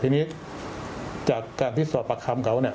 ทีนี้จากการที่สอบปากคำเขา